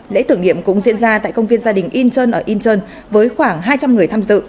lễ tưởng niệm cũng diễn ra tại công viên gia đình incheon ở incheon với khoảng hai trăm linh người tham dự